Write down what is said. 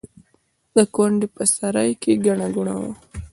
د کونډې په سرای کې ګڼه ګوڼه وه.